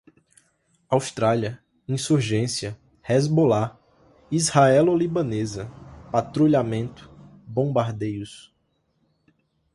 Austrália, insurgência, Hezbollah, israelo-libanesa, patrulhamento, bombardeios